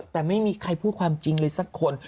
แต่ไม่มีใครพูดความจริงเลยสักคน